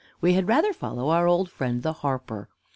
We had rather follow our old friend the harper.